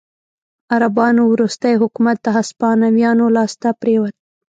عربانو وروستی حکومت د هسپانویانو لاسته پرېوت.